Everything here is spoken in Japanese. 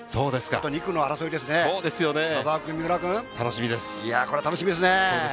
２区の争いですね、田澤君、三浦君、いや、こりゃ楽しみですな。